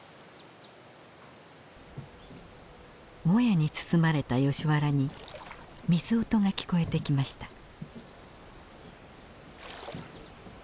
もやに包まれたヨシ原に水音が聞こえてきました。